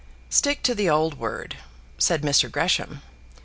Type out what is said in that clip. "Stick to the old word," said Mr. Gresham.